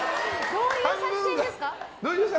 どういう作戦ですか？